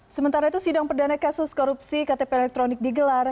sementara itu sidang perdana kasus korupsi ktp elektronik digelar